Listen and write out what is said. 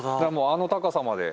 あの高さまで。